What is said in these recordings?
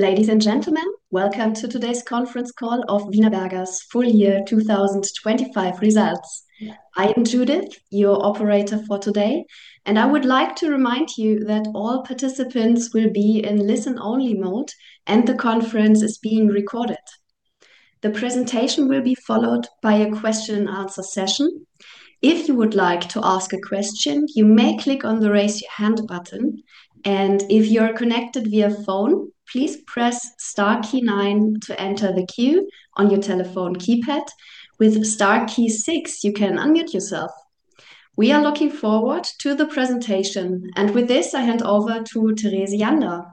Ladies and gentlemen, welcome to today's conference call of Wienerberger's Full Year 2025 Results. I am Judith, your operator for today, and I would like to remind you that all participants will be in listen-only mode, and the conference is being recorded. The presentation will be followed by a question and answer session. If you would like to ask a question, you may click on the Raise Your Hand button, and if you are connected via phone, please press star key nine to enter the queue on your telephone keypad. With star key six, you can unmute yourself. We are looking forward to the presentation, and with this, I hand over to Therese Jandl.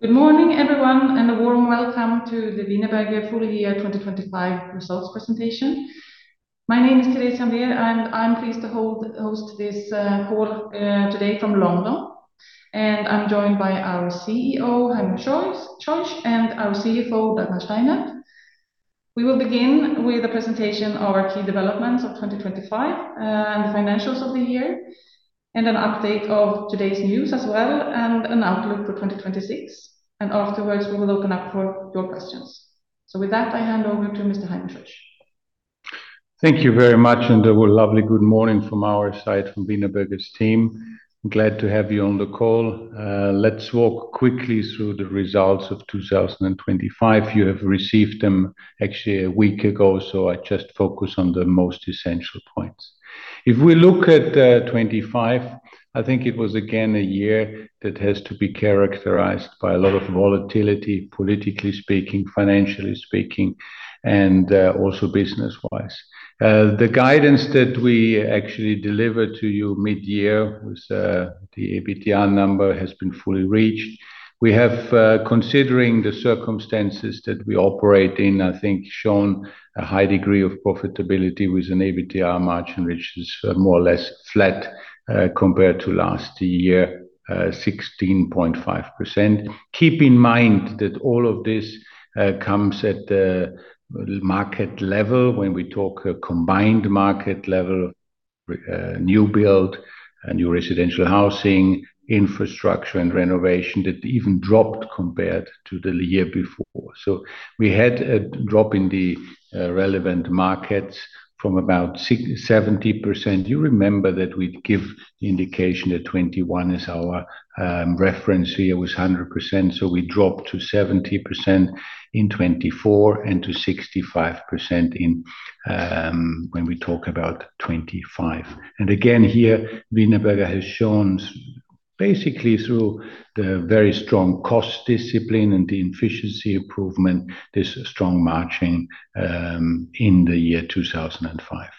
Good morning, everyone, and a warm welcome to the Wienerberger Full Year 2025 Results Presentation. My name is Therese Jandl, and I'm pleased to host this call today from London. I'm joined by our CEO, Heinrich Scheuch, and our CFO, Dagmar Steinert. We will begin with a presentation of our key developments of 2025 and the financials of the year, an update of today's news as well, and an outlook for 2026. Afterwards, we will open up for your questions. With that, I hand over to Mr. Heinrich Scheuch. Thank you very much. A lovely good morning from our side, from Wienerberger's team. Glad to have you on the call. Let's walk quickly through the results of 2025. You have received them actually a week ago, so I just focus on the most essential points. If we look at 2025, I think it was again, a year that has to be characterized by a lot of volatility, politically speaking, financially speaking, and also business-wise. The guidance that we actually delivered to you mid-year with the EBITDA number has been fully reached. We have, considering the circumstances that we operate in, I think, shown a high degree of profitability with an EBITDA margin, which is more or less flat compared to last year, 16.5%. Keep in mind that all of this comes at the market level when we talk a combined market level, new build, new residential housing, infrastructure and renovation, that even dropped compared to the year before. We had a drop in the relevant markets from about 70%. You remember that we'd give indication that 2021 is our reference year was 100%, so we dropped to 70% in 2024 and to 65% when we talk about 2025. Again, here, Wienerberger has shown basically through the very strong cost discipline and the efficiency improvement, this strong margin in the year 2005.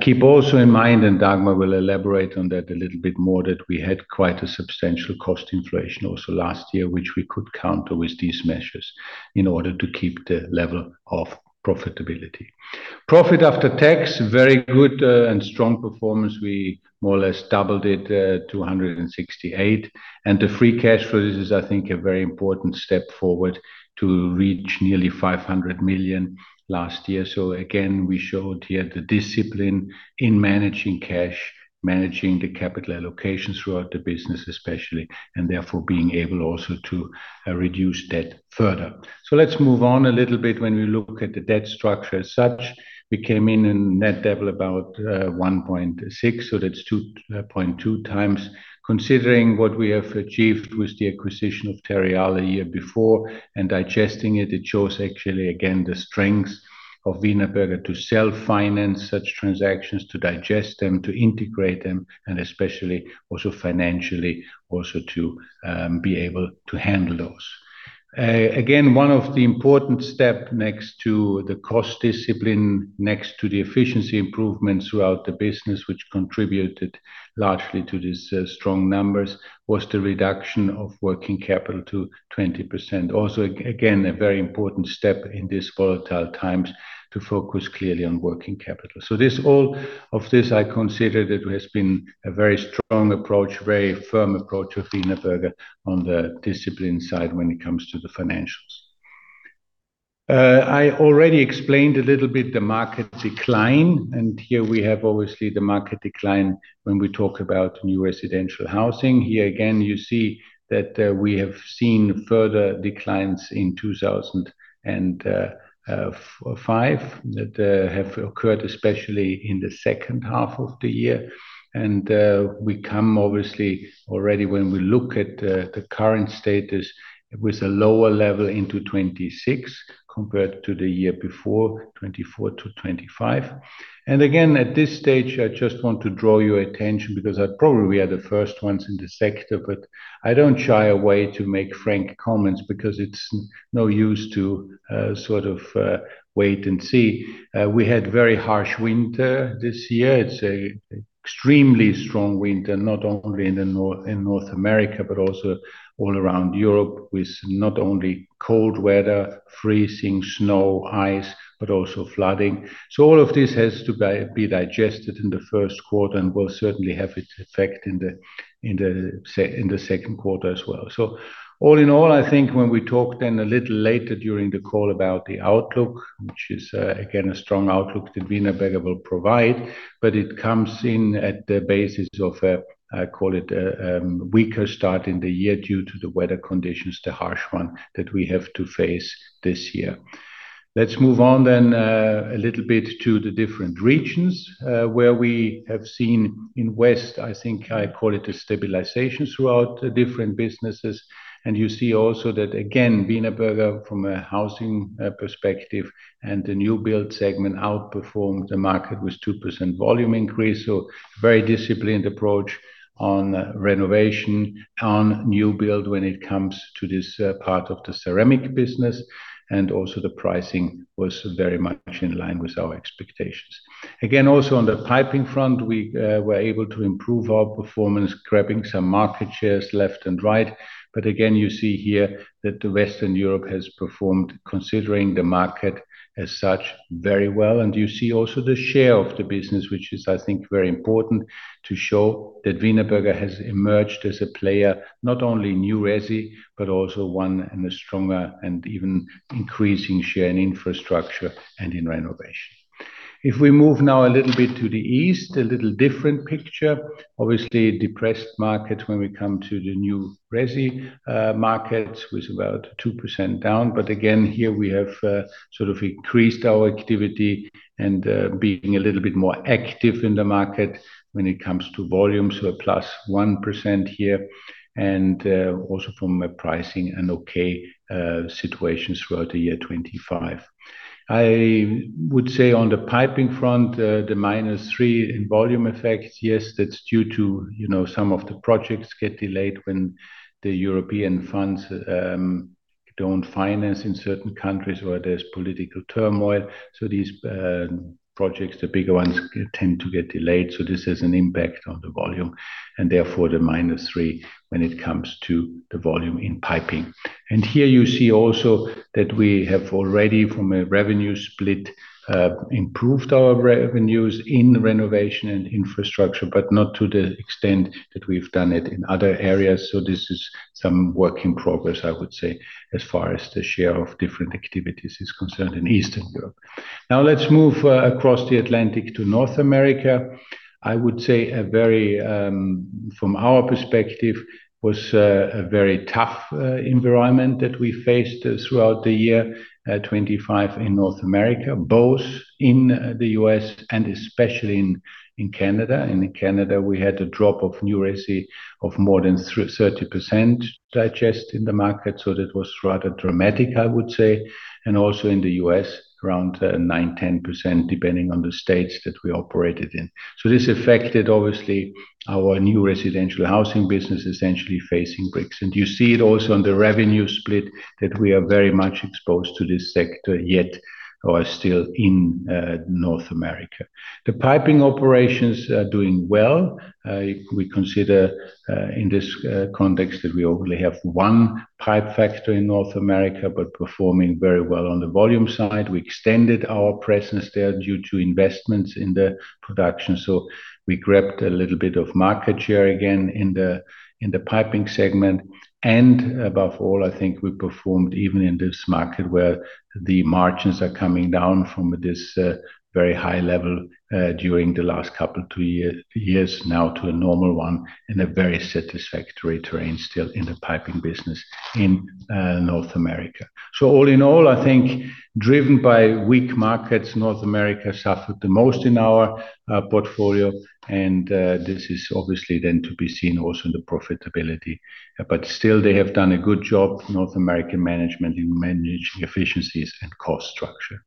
Keep also in mind, and Dagmar will elaborate on that a little bit more, that we had quite a substantial cost inflation also last year, which we could counter with these measures in order to keep the level of profitability. Profit after tax, very good and strong performance. We more or less doubled it to 168 million. The free cash flow, this is, I think, a very important step forward to reach nearly 500 million last year. Again, we showed here the discipline in managing cash, managing the capital allocation throughout the business especially, and therefore being able also to reduce debt further. Let's move on a little bit when we look at the debt structure as such. We came in in net debt about 1.6 billion, so that's 2.2x. Considering what we have achieved with the acquisition of Terreal the year before and digesting it, it shows actually again, the strength of Wienerberger to self-finance such transactions, to digest them, to integrate them, and especially also financially, also to be able to handle those. Again, one of the important step next to the cost discipline, next to the efficiency improvements throughout the business, which contributed largely to these strong numbers, was the reduction of working capital to 20%. Also, again, a very important step in this volatile times to focus clearly on working capital. This, all of this, I consider that it has been a very strong approach, very firm approach of Wienerberger on the discipline side when it comes to the financials. I already explained a little bit the market decline. Here we have obviously the market decline when we talk about new residential housing. Here again, you see that we have seen further declines in 2005 that have occurred especially in the second half of the year. We come obviously already when we look at the current status with a lower level into 2026 compared to the year before, 2024-2025. Again, at this stage, I just want to draw your attention because I probably are the first ones in the sector, but I don't shy away to make frank comments because it's no use to sort of wait and see. We had very harsh winter this year. It's an extremely strong winter, not only in North America, but also all around Europe, with not only cold weather, freezing, snow, ice, but also flooding. All of this has to be digested in the first quarter and will certainly have its effect in the second quarter as well. All in all, I think when we talk then a little later during the call about the outlook, which is again, a strong outlook that Wienerberger will provide, but it comes in at the basis of a, I call it a, weaker start in the year due to the weather conditions, the harsh one that we have to face this year. Let's move on a little bit to the different regions, where we have seen in West, I think I call it a stabilization throughout the different businesses. You see also that again, Wienerberger, from a housing perspective and the new build segment, outperformed the market with 2% volume increase. Very disciplined approach on renovation, on new build when it comes to this part of the ceramic business, and also the pricing was very much in line with our expectations. Also on the piping front, we were able to improve our performance, grabbing some market shares left and right. Again, you see here that Western Europe has performed, considering the market as such, very well. You see also the share of the business, which is, I think, very important to show that Wienerberger has emerged as a player, not only in new resi, but also one in a stronger and even increasing share in infrastructure and in renovation. If we move now a little bit to the east, a little different picture. Obviously, depressed markets when we come to the new resi markets, with about 2% down. Again, here we have sort of increased our activity and being a little bit more active in the market when it comes to volume, so a plus 1% here. Also from a pricing and okay situation throughout the year 2025. I would say on the piping front, the -3 in volume effect, yes, that's due to, you know, some of the projects get delayed when the European funds don't finance in certain countries where there's political turmoil. These projects, the bigger ones, tend to get delayed, so this has an impact on the volume, and therefore the -3 when it comes to the volume in piping. Here you see also that we have already, from a revenue split, improved our revenues in renovation and infrastructure, but not to the extent that we've done it in other areas. This is some work in progress, I would say, as far as the share of different activities is concerned in Eastern Europe. Now let's move across the Atlantic to North America. I would say a very From our perspective, was a very tough environment that we faced throughout the year 2025 in North America, both in the U.S. and especially in Canada. In Canada, we had a drop of new resi of more than 30% digest in the market, that was rather dramatic, I would say. Also in the U.S., around nine, 10%, depending on the states that we operated in. This affected, obviously, our new residential housing business, essentially facing bricks. You see it also on the revenue split, that we are very much exposed to this sector, yet are still in North America. The piping operations are doing well. We consider in this context that we only have one pipe factor in North America, but performing very well on the volume side. We extended our presence there due to investments in the production, so we grabbed a little bit of market share again in the piping segment. Above all, I think we performed even in this market where the margins are coming down from this very high level during the last couple two years now to a normal one, in a very satisfactory terrain, still in the piping business in North America. All in all, I think driven by weak markets, North America suffered the most in our portfolio, and this is obviously then to be seen also in the profitability. Still, they have done a good job, North American management, in managing efficiencies and cost structure.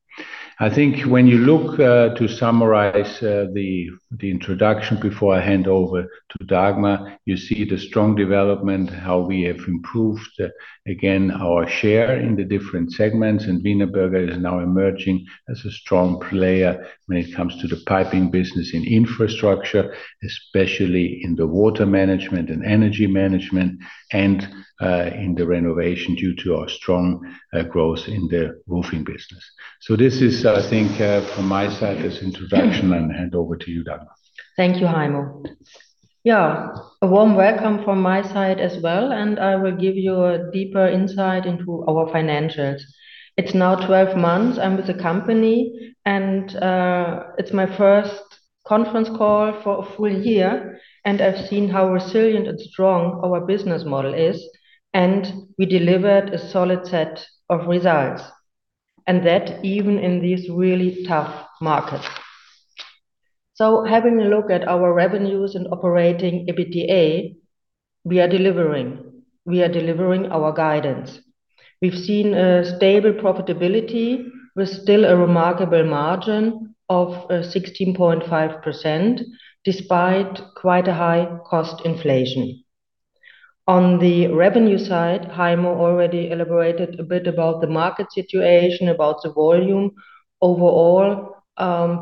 I think when you look to summarize the introduction before I hand over to Dagmar, you see the strong development, how we have improved, again, our share in the different segments. Wienerberger is now emerging as a strong player when it comes to the piping business in infrastructure, especially in the water management and energy management, and in the renovation, due to our strong growth in the roofing business. This is, I think, from my side, this introduction, and hand over to you, Dagmar. Thank you, Heimo. Yeah, a warm welcome from my side as well. I will give you a deeper insight into our financials. It's now 12 months I'm with the company. It's my first conference call for a full year. I've seen how resilient and strong our business model is. We delivered a solid set of results, and that even in these really tough markets. Having a look at our revenues and operating EBITDA, we are delivering. We are delivering our guidance. We've seen a stable profitability with still a remarkable margin of 16.5%, despite quite a high cost inflation. On the revenue side, Heimo already elaborated a bit about the market situation, about the volume. Overall,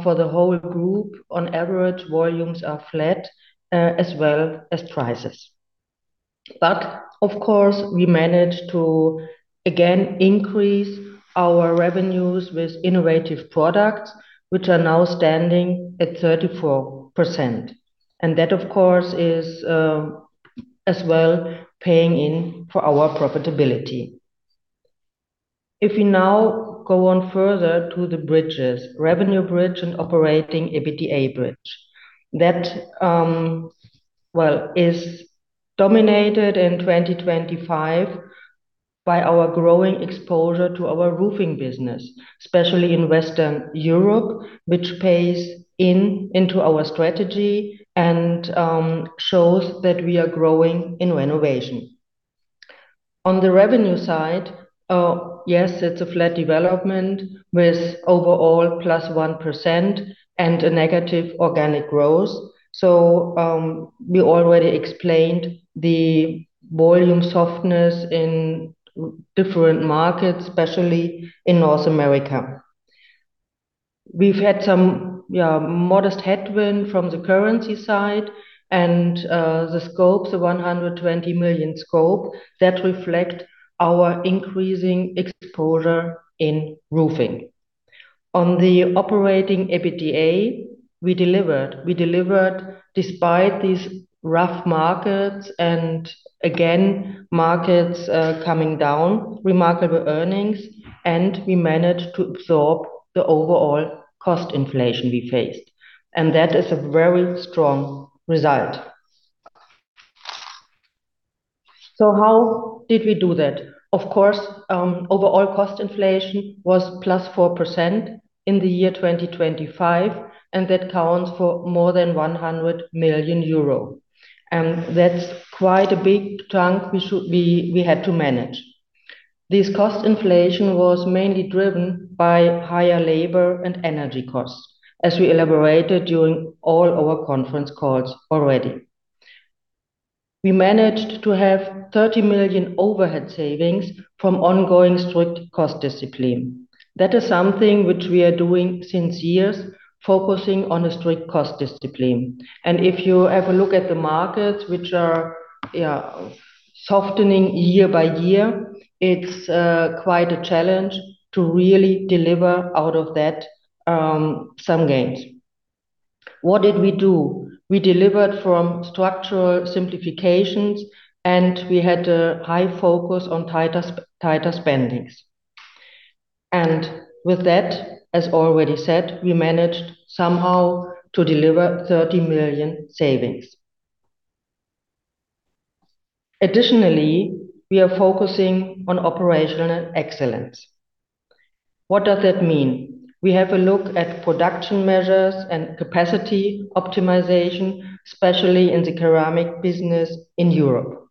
for the whole group, on average, volumes are flat, as well as prices. Of course, we managed to again increase our revenues with innovative products, which are now standing at 34%, and that, of course, is as well paying in for our profitability. If we now go on further to the bridges, revenue bridge and operating EBITDA bridge, that, well, is dominated in 2025 by our growing exposure to our roofing business, especially in Western Europe, which pays in, into our strategy and shows that we are growing in renovation. On the revenue side, yes, it's a flat development with overall +1% and a negative organic growth. We already explained the volume softness in different markets, especially in North America. We've had some, yeah, modest headwind from the currency side and the scope, the 120 million scope that reflect our increasing exposure in roofing. On the operating EBITDA, we delivered. We delivered despite these rough markets, again, markets coming down, remarkable earnings, we managed to absorb the overall cost inflation we faced, that is a very strong result. How did we do that? Of course, overall cost inflation was +4% in the year 2025, that accounts for more than 100 million euro, that's quite a big chunk we had to manage. This cost inflation was mainly driven by higher labor and energy costs, as we elaborated during all our conference calls already. We managed to have 30 million overhead savings from ongoing strict cost discipline. That is something which we are doing since years, focusing on a strict cost discipline. If you have a look at the markets, which are, yeah, softening year by year, it's quite a challenge to really deliver out of that some gains. What did we do? We delivered from structural simplifications, and we had a high focus on tighter spendings. With that, as already said, we managed somehow to deliver 30 million savings. Additionally, we are focusing on operational excellence. What does that mean? We have a look at production measures and capacity optimization, especially in the ceramic business in Europe.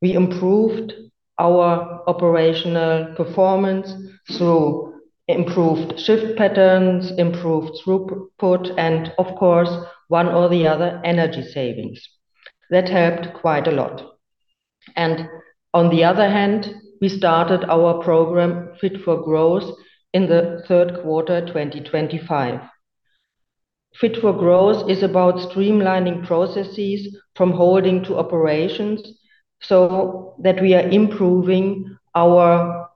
We improved our operational performance through improved shift patterns, improved throughput, and of course, one or the other, energy savings. That helped quite a lot. On the other hand, we started our program, Fit for Growth, in the third quarter 2025. Fit for Growth is about streamlining processes from holding to operations so that we are improving our,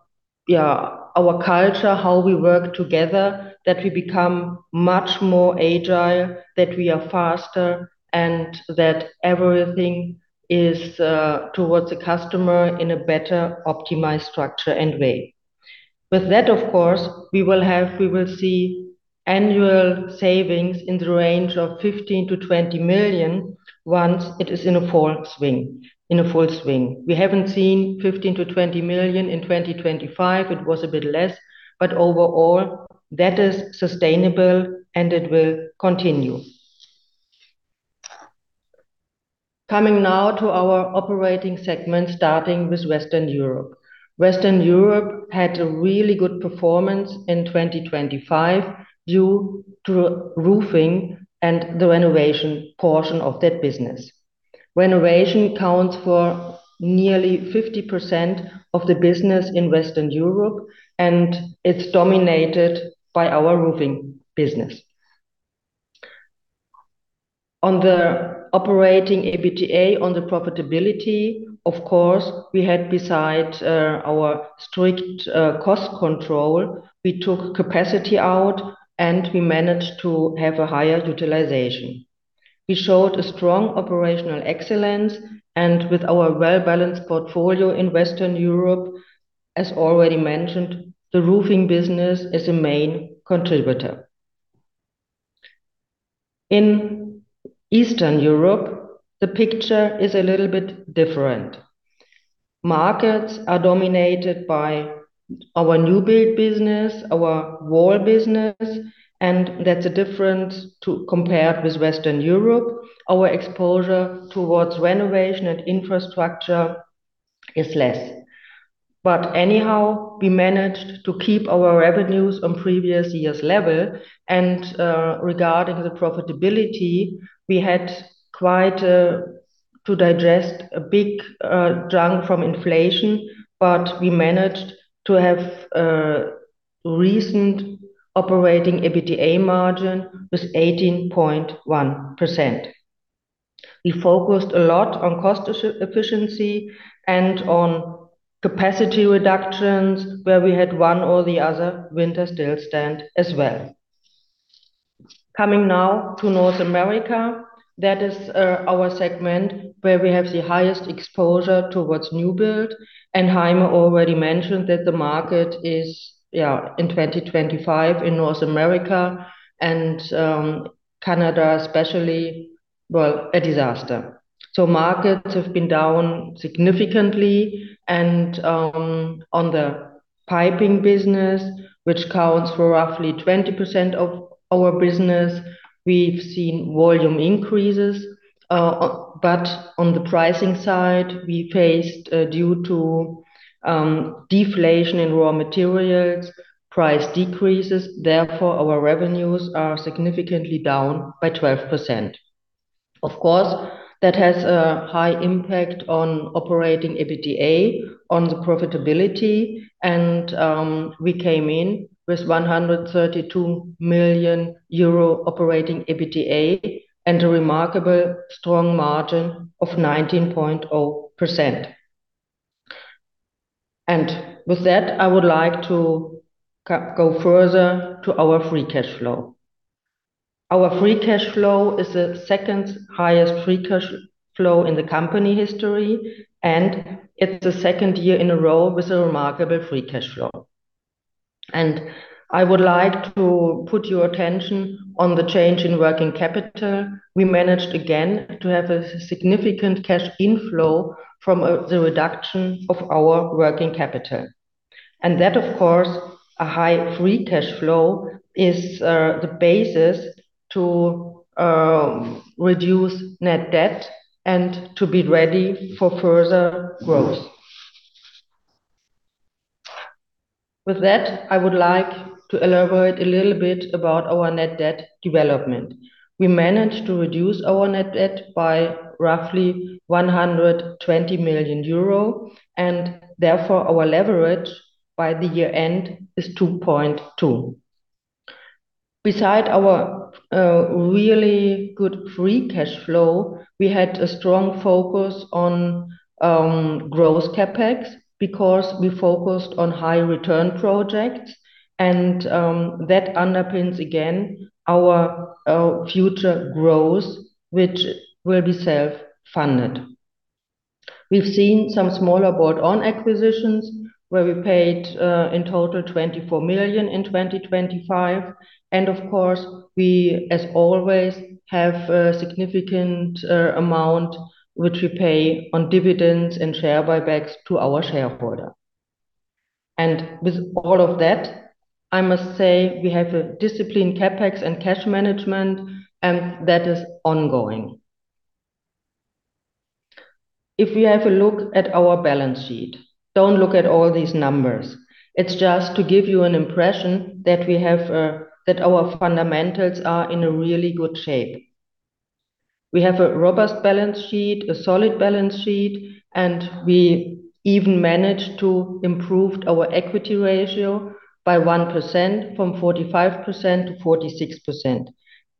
yeah, our culture, how we work together, that we become much more agile, that we are faster, and that everything is towards the customer in a better optimized structure and way. With that, of course, we will see annual savings in the range of 15 million-20 million once it is in a full swing. We haven't seen 15 million-20 million in 2025. It was a bit less, overall, that is sustainable, and it will continue. Coming now to our operating segment, starting with Western Europe. Western Europe had a really good performance in 2025 due to roofing and the renovation portion of that business. Renovation accounts for nearly 50% of the business in Western Europe. It's dominated by our roofing business. On the operating EBITDA, on the profitability, of course, we had besides our strict cost control, we took capacity out. We managed to have a higher utilization. We showed a strong operational excellence. With our well-balanced portfolio in Western Europe, as already mentioned, the roofing business is a main contributor. In Eastern Europe, the picture is a little bit different. Markets are dominated by our new build business, our wall business. That's a difference to compare with Western Europe. Our exposure towards renovation and infrastructure is less. Anyhow, we managed to keep our revenues on previous years' level, regarding the profitability, we had quite to digest a big chunk from inflation, but we managed to have a recent operating EBITDA margin with 18.1%. We focused a lot on cost efficiency and on capacity reductions, where we had one or the other winter still stand as well. Coming now to North America, that is our segment where we have the highest exposure towards new build, and Heime already mentioned that the market is, yeah, in 2025 in North America and Canada especially, well, a disaster. Markets have been down significantly, on the piping business, which counts for roughly 20% of our business, we've seen volume increases. On the pricing side, we faced, due to deflation in raw materials, price decreases, therefore, our revenues are significantly down by 12%. Of course, that has a high impact on operating EBITDA, on the profitability, and we came in with 132 million euro operating EBITDA, and a remarkable strong margin of 19.0%. With that, I would like to go further to our free cash flow. Our free cash flow is the second highest free cash flow in the company history, and it's the second year in a row with a remarkable free cash flow. I would like to put your attention on the change in working capital. We managed again to have a significant cash inflow from the reduction of our working capital. That, of course, a high free cash flow is the basis to reduce net debt and to be ready for further growth. With that, I would like to elaborate a little bit about our net debt development. We managed to reduce our net debt by roughly 120 million euro, and therefore our leverage by the year end is 2.2. Beside our really good free cash flow, we had a strong focus on growth CapEx, because we focused on high return projects, and that underpins again our future growth, which will be self-funded. We've seen some smaller build-on acquisitions, where we paid in total 24 million in 2025. Of course, we, as always, have a significant amount which we pay on dividends and share buybacks to our shareholder. With all of that, I must say we have a disciplined CapEx and cash management, and that is ongoing. If you have a look at our balance sheet, don't look at all these numbers. It's just to give you an impression that our fundamentals are in a really good shape. We have a robust balance sheet, a solid balance sheet, and we even managed to improve our equity ratio by 1%, from 45%-46%,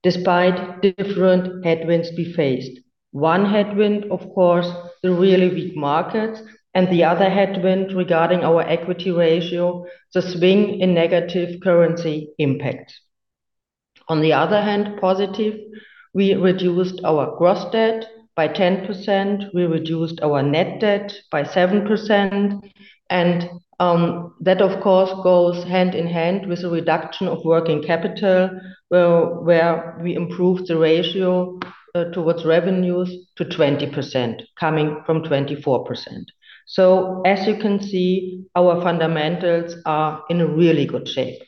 despite different headwinds we faced. One headwind, of course, the really weak markets, and the other headwind regarding our equity ratio, the swing in negative currency impact. On the other hand, positive, we reduced our gross debt by 10%, we reduced our net debt by 7%, and that of course, goes hand in hand with a reduction of working capital, where we improved the ratio towards revenues to 20%, coming from 24%. As you can see, our fundamentals are in a really good shape.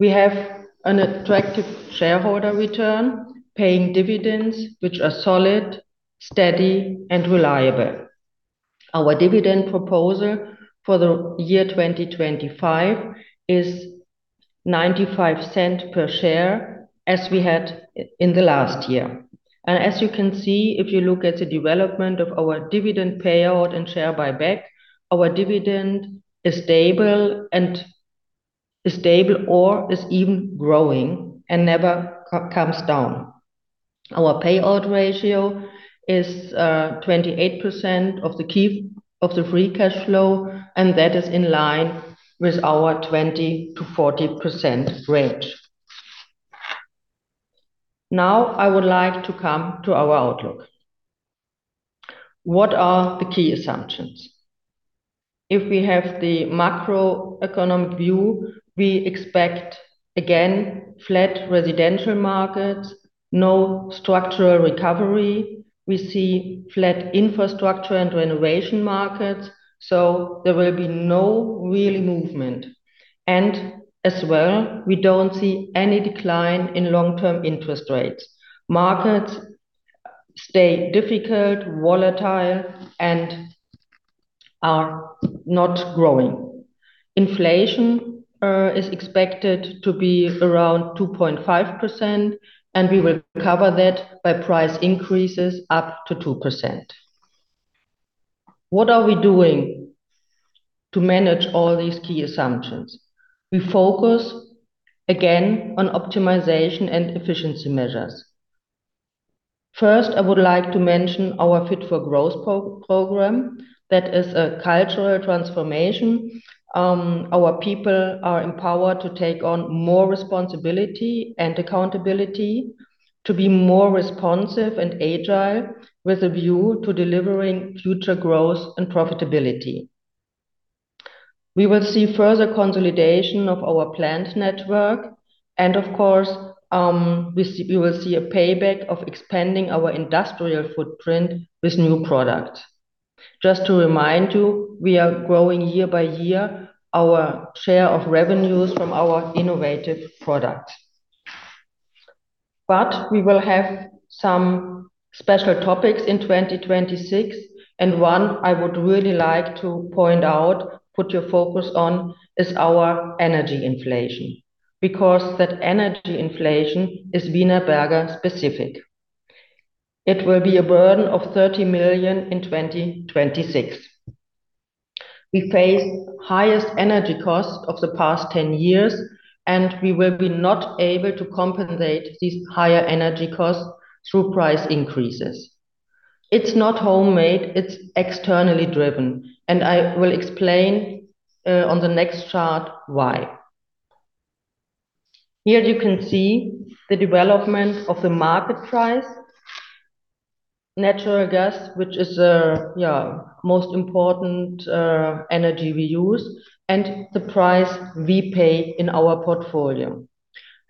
We have an attractive shareholder return, paying dividends, which are solid, steady and reliable. Our dividend proposal for the year 2025 is 0.95 per share, as we had in the last year. As you can see, if you look at the development of our dividend payout and share buyback, our dividend is stable and... Is stable or is even growing and never comes down. Our payout ratio is 28% of the free cash flow, and that is in line with our 20%-40% range. Now, I would like to come to our outlook. What are the key assumptions? If we have the macroeconomic view, we expect, again, flat residential markets, no structural recovery. We see flat infrastructure and renovation markets, so there will be no real movement. And as well, we don't see any decline in long-term interest rates. Markets stay difficult, volatile, and are not growing. Inflation is expected to be around 2.5%, and we will cover that by price increases up to 2%. What are we doing to manage all these key assumptions? We focus again on optimization and efficiency measures. First, I would like to mention our Fit for Growth program. That is a cultural transformation. Our people are empowered to take on more responsibility and accountability, to be more responsive and agile, with a view to delivering future growth and profitability. We will see further consolidation of our plant network, and of course, we will see a payback of expanding our industrial footprint with new products. Just to remind you, we are growing year by year our share of revenues from our innovative products. We will have some special topics in 2026, and one I would really like to point out, put your focus on, is our energy inflation, because that energy inflation is Wienerberger specific. It will be a burden of 30 million in 2026. We face highest energy costs of the past 10 years, and we will be not able to compensate these higher energy costs through price increases. It's not homemade, it's externally driven. I will explain on the next chart why. Here you can see the development of the market price, natural gas, which is most important energy we use, and the price we pay in our portfolio.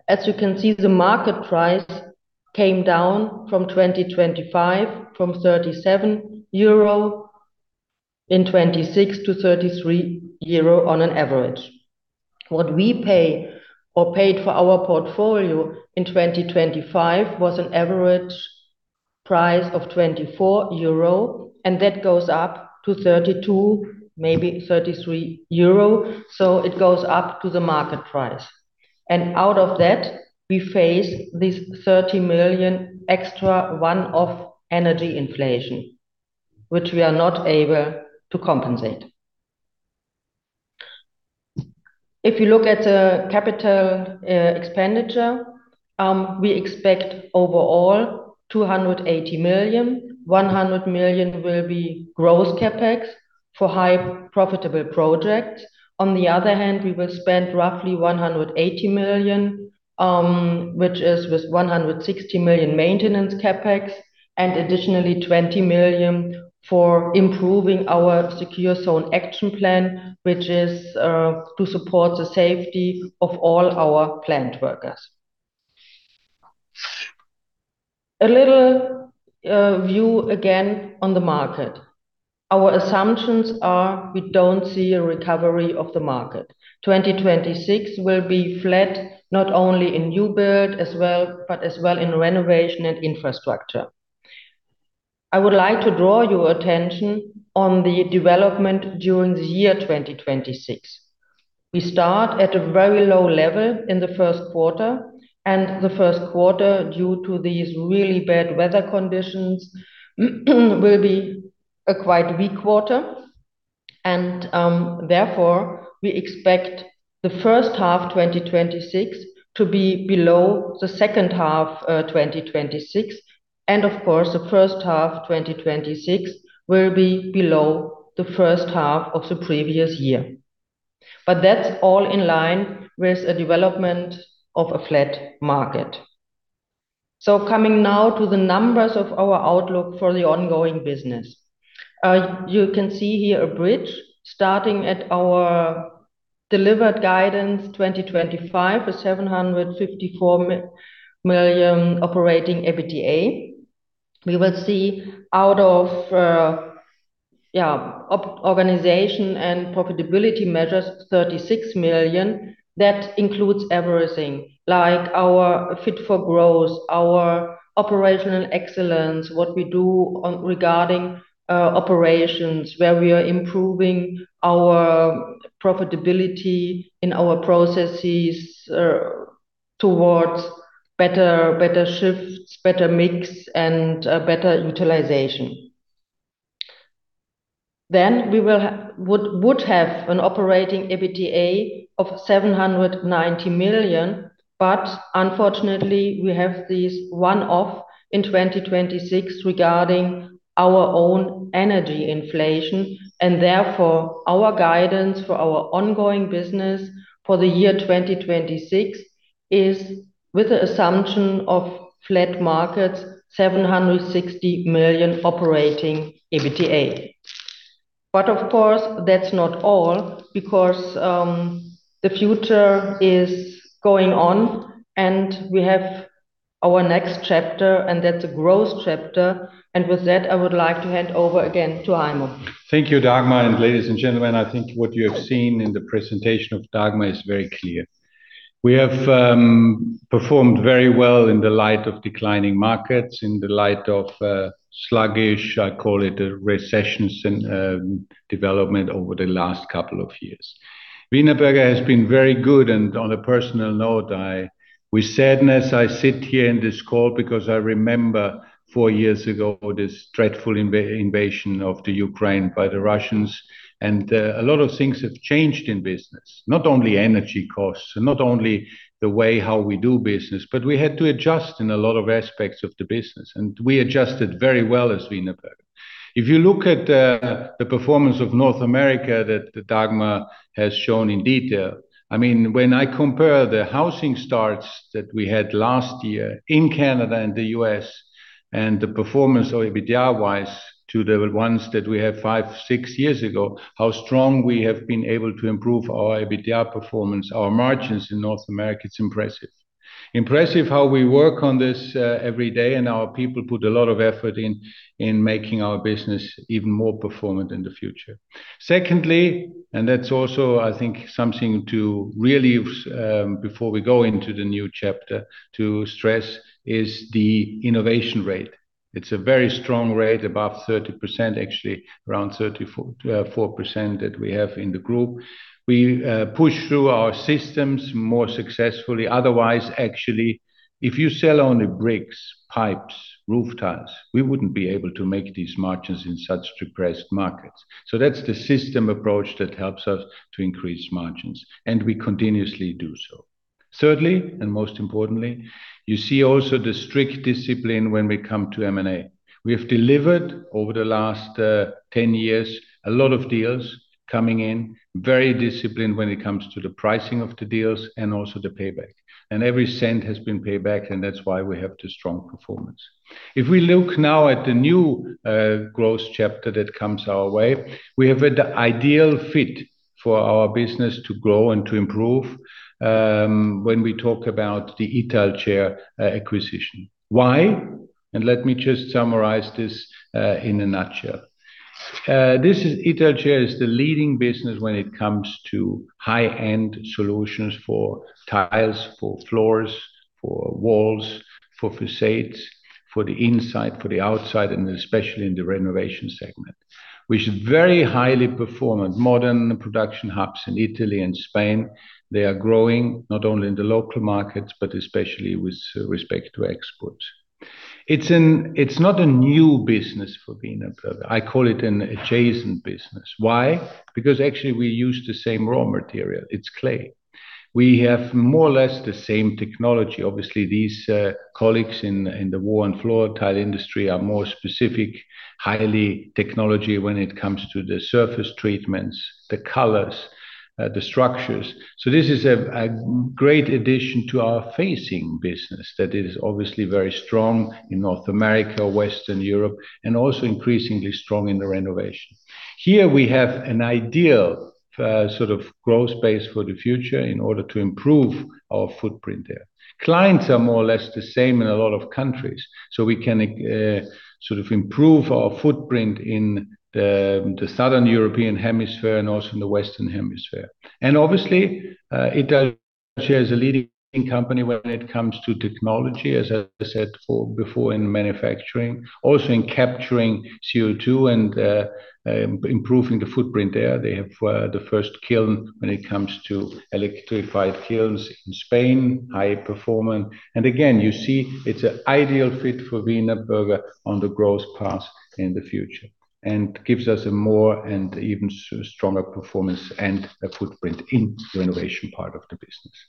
As you can see, the market price came down from 2025, from 37 euro in 2026 to 33 euro on an average. What we pay or paid for our portfolio in 2025 was an average price of 24 euro. That goes up to 32, maybe 33 euro. It goes up to the market price. Out of that, we face this 30 million extra one-off energy inflation, which we are not able to compensate. If you look at the CapEx, we expect overall 280 million. 100 million will be gross CapEx for high profitable projects. We will spend roughly 180 million, which is with 160 million maintenance CapEx, and additionally, 20 million for improving our secure zone action plan, which is to support the safety of all our plant workers. A little view again on the market. Our assumptions are we don't see a recovery of the market. 2026 will be flat, not only in new build as well, but as well in renovation and infrastructure. I would like to draw your attention on the development during the year 2026. We start at a very low level in the first quarter. The first quarter, due to these really bad weather conditions, will be a quite weak quarter. Therefore, we expect the first half 2026 to be below the second half 2026. Of course, the first half 2026 will be below the first half of the previous year. That's all in line with a development of a flat market. Coming now to the numbers of our outlook for the ongoing business. You can see here a bridge starting at our delivered guidance, 2025, a 754 million operating EBITDA. We will see out of organization and profitability measures, 36 million. That includes everything, like our Fit for Growth, our operational excellence, what we do on regarding operations, where we are improving our profitability in our processes towards better, better shifts, better mix, and better utilization. We would have an operating EBITDA of 790 million, but unfortunately, we have these one-off in 2026 regarding our own energy inflation, and therefore, our guidance for our ongoing business for the year 2026 is with the assumption of flat markets, 760 million operating EBITDA. Of course, that's not all, because the future is going on, and we have our next chapter, and that's a growth chapter. With that, I would like to hand over again to Heimo. Thank you, Dagmar. Ladies and gentlemen, I think what you have seen in the presentation of Dagmar is very clear. We have performed very well in the light of declining markets, in the light of sluggish, I call it a recession, development over the last couple of years. Wienerberger has been very good, and on a personal note, I, with sadness, I sit here in this call because I remember four years ago, this dreadful invasion of Ukraine by the Russians, and a lot of things have changed in business. Not only energy costs, and not only the way how we do business, but we had to adjust in a lot of aspects of the business, and we adjusted very well as Wienerberger. If you look at the performance of North America, that Dagmar has shown in detail, I mean, when I compare the housing starts that we had last year in Canada and the U.S., and the performance of EBITDA-wise to the ones that we had five, six years ago, how strong we have been able to improve our EBITDA performance, our margins in North America, it's impressive how we work on this every day, and our people put a lot of effort in making our business even more performant in the future. Secondly, and that's also, I think, something to really, before we go into the new chapter, to stress, is the innovation rate. It's a very strong rate, above 30%, actually, around 34.4% that we have in the group. We push through our systems more successfully. Otherwise, actually, if you sell only bricks, pipes, roof tiles, we wouldn't be able to make these margins in such depressed markets. That's the system approach that helps us to increase margins, and we continuously do so. Thirdly, and most importantly, you see also the strict discipline when we come to M&A. We have delivered over the last 10 years, a lot of deals coming in, very disciplined when it comes to the pricing of the deals and also the payback. Every cent has been paid back, and that's why we have the strong performance. If we look now at the new growth chapter that comes our way, we have had the ideal fit for our business to grow and to improve, when we talk about the Italcer acquisition. Why? Let me just summarize this in a nutshell. This is Italcer is the leading business when it comes to high-end solutions for tiles, for floors, for walls, for facades, for the inside, for the outside, and especially in the renovation segment, which is very highly performant. Modern production hubs in Italy and Spain, they are growing not only in the local markets, but especially with respect to exports. It's not a new business for Wienerberger. I call it an adjacent business. Why? Because actually we use the same raw material. It's clay. We have more or less the same technology. Obviously, these colleagues in the wall and floor tile industry are more specific, highly technology when it comes to the surface treatments, the colors, the structures. This is a, a great addition to our facing business that is obviously very strong in North America or Western Europe, and also increasingly strong in the renovation. Here we have an ideal sort of growth base for the future in order to improve our footprint there. Clients are more or less the same in a lot of countries, we can sort of improve our footprint in the, the Southern European hemisphere and also in the Western Hemisphere. Obviously, Italcer is a leading company when it comes to technology, as I said before in manufacturing, also in capturing CO2 and improving the footprint there. They have the first kiln when it comes to electrified kilns in Spain, high performant. Again, you see it's an ideal fit for Wienerberger on the growth path in the future, and gives us a more and even stronger performance and a footprint in the renovation part of the business.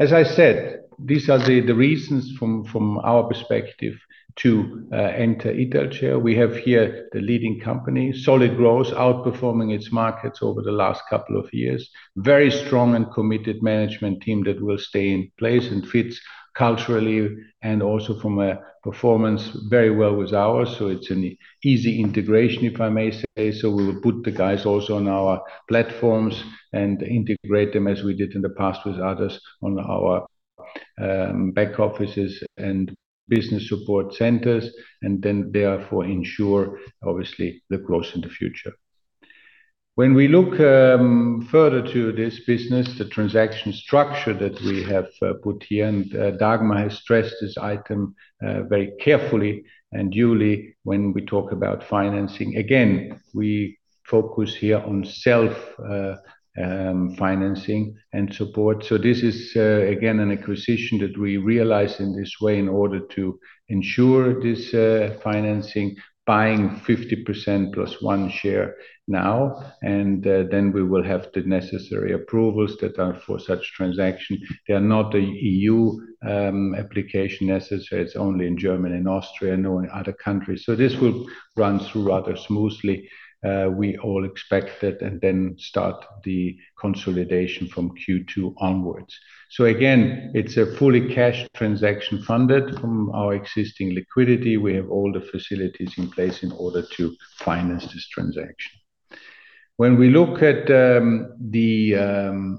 As I said, these are the reasons from our perspective to enter Italcer. We have here the leading company, solid growth, outperforming its markets over the last couple of years. Very strong and committed management team that will stay in place and fits culturally and also from a performance very well with ours. It's an easy integration, if I may say so. We will put the guys also on our platforms and integrate them as we did in the past with others on our back offices and business support centers, and then therefore ensure, obviously, the growth in the future. We look further to this business, the transaction structure that we have put here. Dagmar has stressed this item very carefully and duly when we talk about financing. Again, we focus here on self-financing and support. This is again an acquisition that we realize in this way in order to ensure this financing, buying 50% plus one share now. Then we will have the necessary approvals that are for such transaction. They are not the EU application necessary. It's only in German and Austria, no in other countries. This will run through rather smoothly, we all expect it, and then start the consolidation from Q2 onwards. Again, it's a fully cash transaction, funded from our existing liquidity. We have all the facilities in place in order to finance this transaction. When we look at the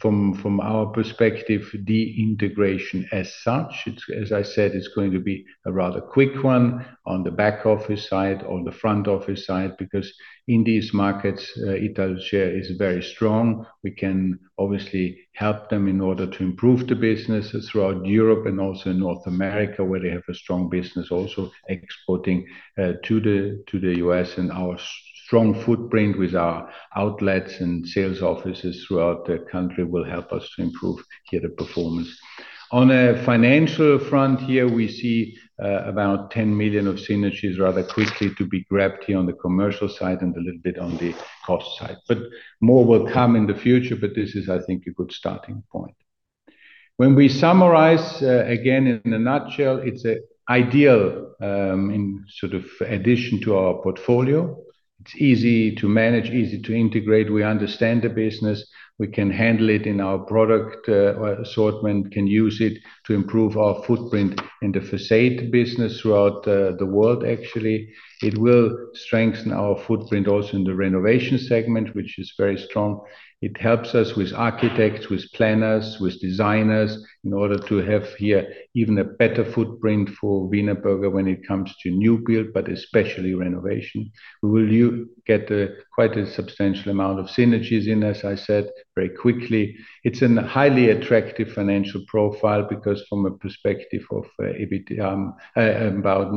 from our perspective, the integration as such, it's, as I said, it's going to be a rather quick one on the back office side or the front office side, because in these markets, Italcer is very strong. We can obviously help them in order to improve the business throughout Europe and also in North America, where they have a strong business, also exporting to the US. Our strong footprint with our outlets and sales offices throughout the country will help us to improve here the performance. On a financial front here, we see about 10 million of synergies rather quickly to be grabbed here on the commercial side and a little bit on the cost side, but more will come in the future, but this is, I think, a good starting point. When we summarize, again, in a nutshell, it's a ideal in sort of addition to our portfolio. It's easy to manage, easy to integrate. We understand the business. We can handle it in our product assortment, can use it to improve our footprint in the facade business throughout the world, actually. It will strengthen our footprint also in the renovation segment, which is very strong. It helps us with architects, with planners, with designers, in order to have here even a better footprint for Wienerberger when it comes to new build, but especially renovation. We will get quite a substantial amount of synergies in, as I said, very quickly. It's an highly attractive financial profile because from a perspective of EBITDA, about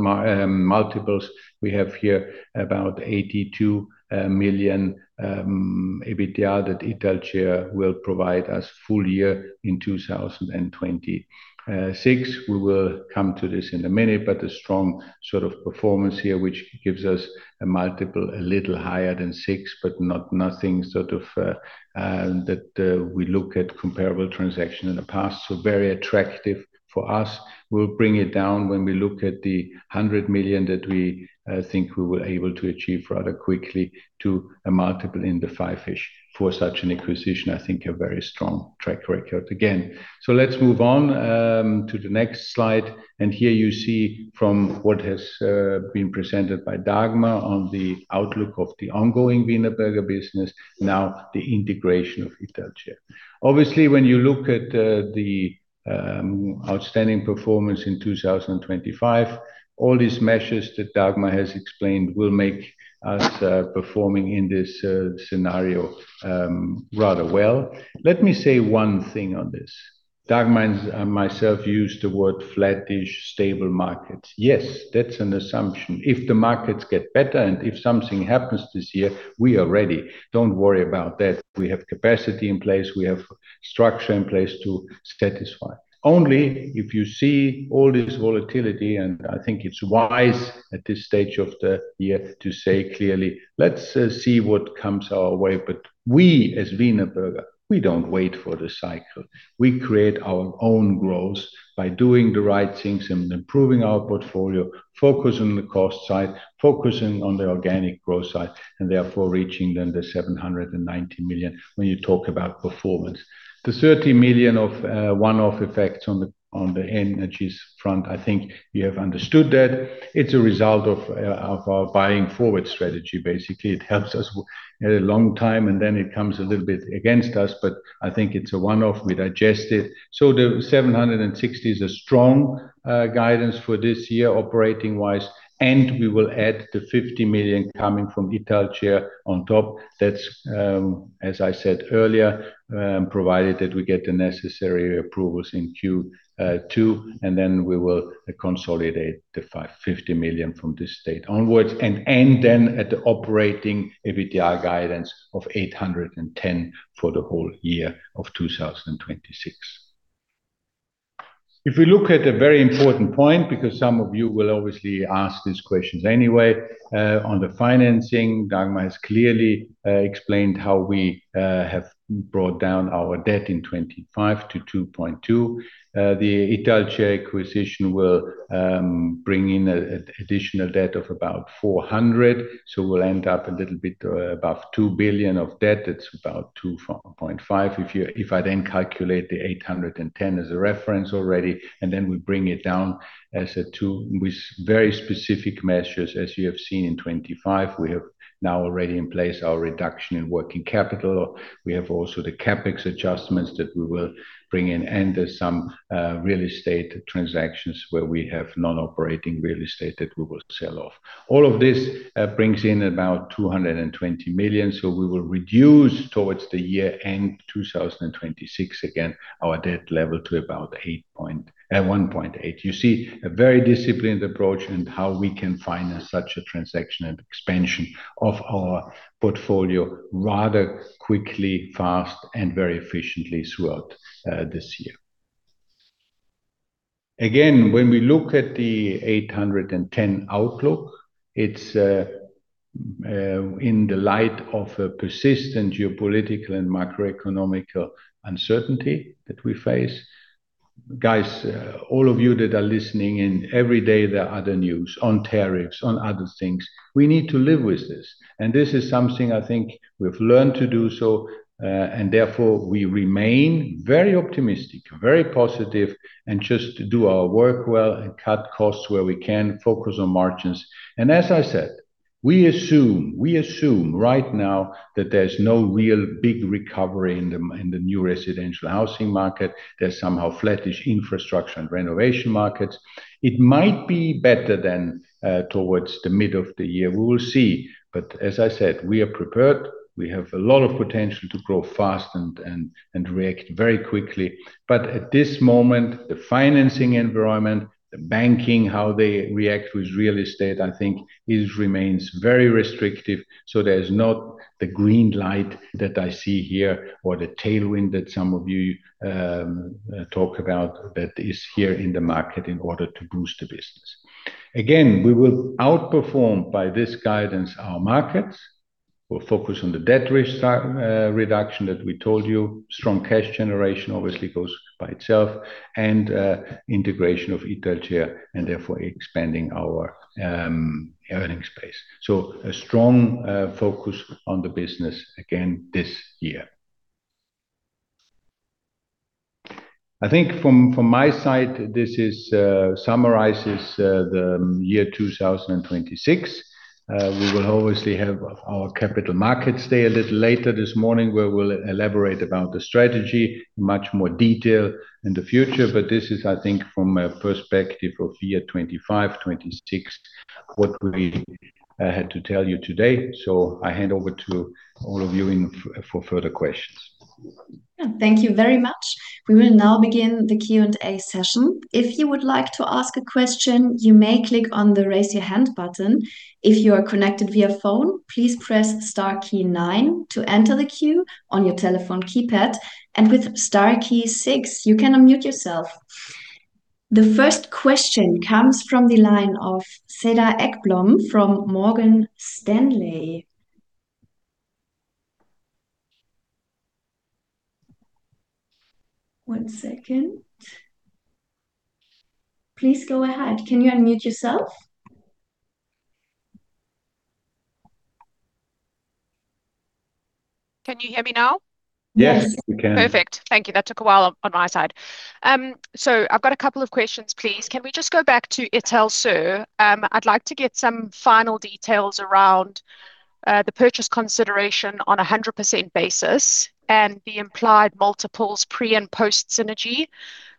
multiples, we have here about 82 million EBITDA that Italcer will provide us full year in 2026. We will come to this in a minute, but a strong sort of performance here, which gives us a multiple, a little higher than 6, but not nothing sort of that we look at comparable transaction in the past, so very attractive for us. We'll bring it down when we look at the 100 million that we think we were able to achieve rather quickly to a multiple in the 5-ish. For such an acquisition, I think a very strong track record again. Let's move on to the next slide. Here you see from what has been presented by Dagmar on the outlook of the ongoing Wienerberger business, now the integration of Italcer. Obviously, when you look at the outstanding performance in 2025, all these measures that Dagmar has explained will make us performing in this scenario rather well. Let me say one thing on this. Dagmar and myself used the word flattish, stable markets. Yes, that's an assumption. If the markets get better, and if something happens this year, we are ready. Don't worry about that. We have capacity in place, we have structure in place to satisfy. Only if you see all this volatility, and I think it's wise at this stage of the year to say clearly, "Let's see what comes our way." We, as Wienerberger, we don't wait for the cycle. We create our own growth by doing the right things and improving our portfolio, focusing on the cost side, focusing on the organic growth side, and therefore reaching then the 790 million, when you talk about performance. The 30 million of one-off effects on the, on the energies front, I think you have understood that it's a result of our buying forward strategy. Basically, it helps us at a long time, and then it comes a little bit against us, but I think it's a one-off. We digest it. The 760 is a strong guidance for this year, operating-wise, and we will add the 50 million coming from Italcer on top. That's, as I said earlier, provided that we get the necessary approvals in Q2, and then we will consolidate the 50 million from this date onwards, and end then at the operating EBITDA guidance of 810 for the whole year of 2026. If we look at a very important point, because some of you will obviously ask these questions anyway, on the financing, Dagmar has clearly explained how we have brought down our debt in 2025 to 2.2 billion. The Italcer acquisition will bring in a additional debt of about 400 million, so we'll end up a little bit above 2 billion of debt. That's about 2.5. If I then calculate the 810 as a reference already, and then we bring it down as a two with very specific measures, as you have seen in 2025, we have now already in place our reduction in working capital. We have also the CapEx adjustments that we will bring in, and there's some real estate transactions where we have non-operating real estate that we will sell off. All of this brings in about 220 million. We will reduce towards the year end 2026, again, our debt level to about 1.8. You see a very disciplined approach and how we can finance such a transaction and expansion of our portfolio rather quickly, fast, and very efficiently throughout this year. Again, when we look at the 810 outlook, it's in the light of a persistent geopolitical and macroeconomic uncertainty that we face. Guys, all of you that are listening in, every day, there are other news on tariffs, on other things. We need to live with this, and this is something I think we've learned to do so, and therefore we remain very optimistic, very positive, and just do our work well and cut costs where we can, focus on margins. As I said, we assume right now that there's no real big recovery in the new residential housing market. There's somehow flattish infrastructure and renovation markets. It might be better than towards the mid of the year. We will see. As I said, we are prepared. We have a lot of potential to grow fast and react very quickly. At this moment, the financing environment, the banking, how they react with real estate, I think is remains very restrictive. There's not the green light that I see here or the tailwind that some of you talk about that is here in the market in order to boost the business. Again, we will outperform by this guidance, our markets. We'll focus on the debt risk reduction that we told you. Strong cash generation obviously goes by itself, and integration of Italcer, and therefore expanding our earning space. A strong focus on the business again this year. I think from, from my side, this is summarizes the year 2026. We will obviously have our Capital Markets Day a little later this morning, where we'll elaborate about the strategy in much more detail in the future, but this is, I think, from a perspective of year 2025, 2026, what we had to tell you today. I hand over to all of you in for further questions. Thank you very much. We will now begin the Q&A session. If you would like to ask a question, you may click on the Raise Your Hand button. If you are connected via phone, please press star key nine to enter the queue on your telephone keypad, and with star key six, you can unmute yourself. The first question comes from the line of Cedar Ekblom from Morgan Stanley. One second. Please go ahead. Can you unmute yourself? Can you hear me now? Yes, we can. Perfect. Thank you. That took a while on, on my side. I've got a couple of questions, please. Can we just go back to Italcer? I'd like to get some final details around the purchase consideration on a 100% basis and the implied multiples pre- and post-synergy.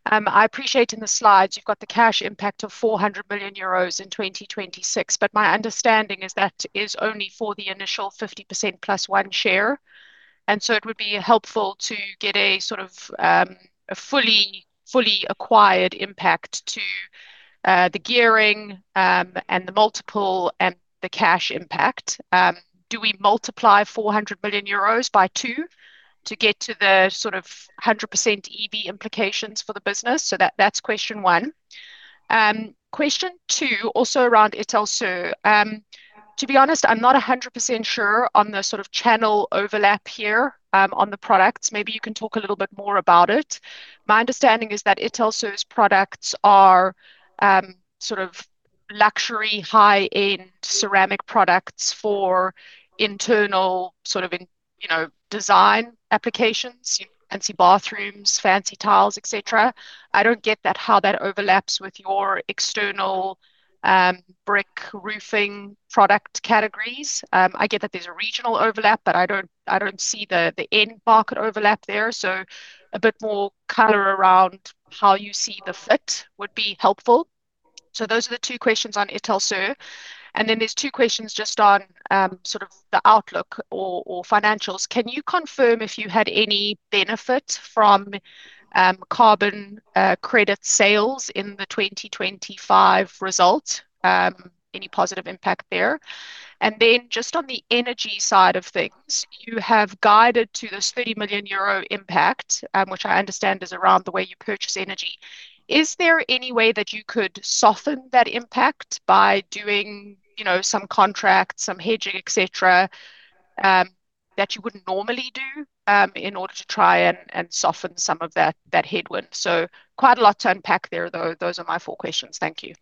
I appreciate in the slides you've got the cash impact of 400 million euros in 2026, but my understanding is that is only for the initial 50% plus one share, it would be helpful to get a sort of a fully acquired impact to the gearing, and the multiple, and the cash impact. Do we multiply 400 million euros by two to get to the sort of 100% EV implications for the business? That, that's question one. Question two, also around Italcer. To be honest, I'm not 100% sure on the sort of channel overlap here on the products. Maybe you can talk a little bit more about it. My understanding is that Italcer's products are sort of luxury, high-end ceramic products for internal, you know, design applications, fancy bathrooms, fancy tiles, et cetera. I don't get that, how that overlaps with your external brick roofing product categories. I get that there's a regional overlap, but I don't see the end market overlap there, so a bit more color around how you see the fit would be helpful. Those are the two questions on Italcer, and then there's two questions just on sort of the outlook or financials. Can you confirm if you had any benefit from carbon credit sales in the 2025 results? Any positive impact there? Just on the energy side of things, you have guided to this 30 million euro impact, which I understand is around the way you purchase energy. Is there any way that you could soften that impact by doing, you know, some contracts, some hedging, et cetera, that you wouldn't normally do, in order to try and soften some of that headwind? Quite a lot to unpack there, though. Those are my four questions. Thank you.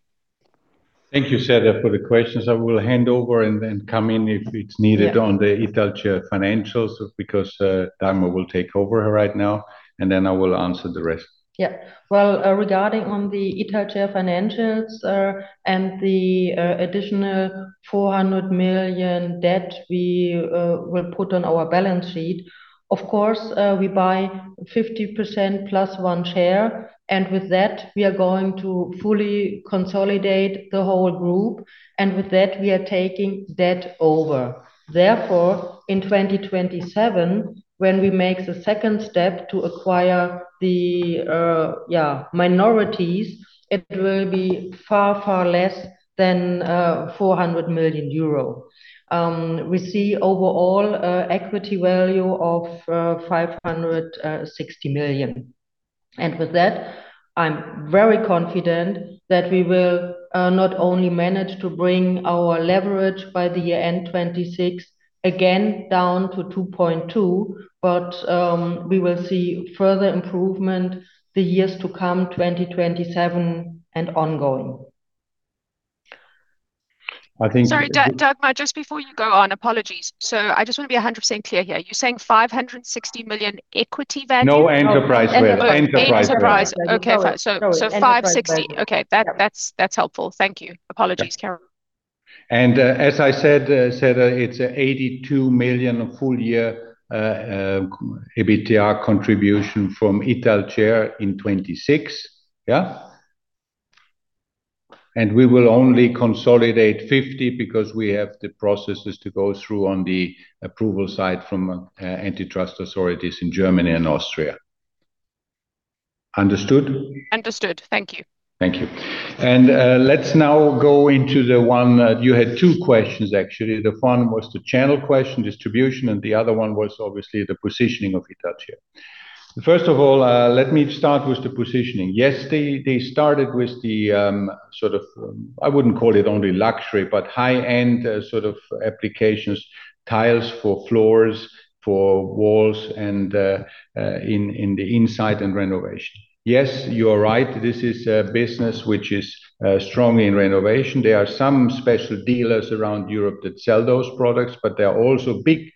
Thank you, Cedar, for the questions. I will hand over and then come in if it's needed. Yeah... on the Italcer financials, because Dagmar will take over right now, and then I will answer the rest. Yeah. Well, regarding on the Italcer financials, and the additional 400 million debt we will put on our balance sheet, of course, we buy 50% plus one share, and with that, we are going to fully consolidate the whole group, and with that we are taking debt over. Therefore, in 2027, when we make the second step to acquire the, yeah, minorities, it will be far, far less than 400 million euro. We see overall equity value of 560 million. With that, I'm very confident that we will not only manage to bring our leverage by the year end 2026 again down to 2.2, but we will see further improvement the years to come, 2027 and ongoing. I think- Sorry, Dagmar, just before you go on. Apologies. I just want to be 100% clear here. You're saying 560 million equity value? No, enterprise value. Enterprise. Enterprise. Okay. No. Five. Yeah. Okay, that's helpful. Thank you. Apologies, Carol. As I said, Cedar, it's a 82 million full year EBITDA contribution from Italcer in 2026. Yeah? We will only consolidate 50 because we have the processes to go through on the approval side from antitrust authorities in Germany and Austria. Understood? Understood. Thank you. Thank you. Let's now go into the one. You had two questions, actually. The first one was the channel question, distribution, and the other one was obviously the positioning of Italcer. First of all, let me start with the positioning. Yes, they started with the sort of, I wouldn't call it only luxury, but high-end sort of applications, tiles for floors, for walls, and in the inside and renovation. Yes, you are right. This is a business which is strongly in renovation. There are some special dealers around Europe that sell those products, but there are also big